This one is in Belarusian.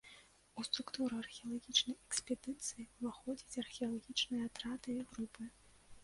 У структуру археалагічнай экспедыцыі ўваходзяць археалагічныя атрады і групы.